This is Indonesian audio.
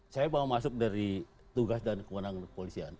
saya mau masuk dari tugas dan kewenangan kepolisian